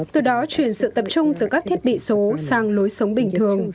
từ đó chuyển sự tập trung từ các thiết bị số sang lối sống bình thường